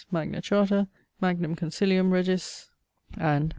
Magna Charta; Magnum Consilium Regis; and....